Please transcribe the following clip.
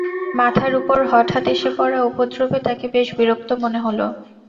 মাথার ওপর হঠাৎ এসে পড়া উপদ্রবে তাঁকে বেশ বিরক্ত মনে হলো।